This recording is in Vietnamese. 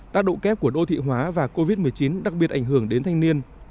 tác độ kép của đô thị hóa và covid một mươi chín đặc biệt ảnh hưởng đến thanh niên